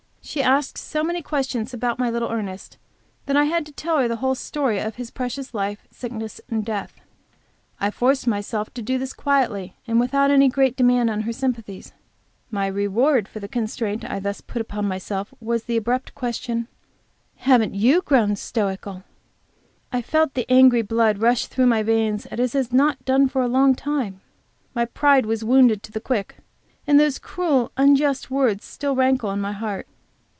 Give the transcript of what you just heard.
She asked so many questions about my little Ernest that I had to tell her the whole story of his precious life, sickness and death. I forced myself to do this quietly, and without any great demand on her sympathies. My reward for the constraint I thus put upon myself was the abrupt question: "Haven't you grown stoical?" I felt the angry blood rush through my veins as it has not done in a long time. My pride was wounded to the quick, and those cruel, unjust words still rankle in my heart.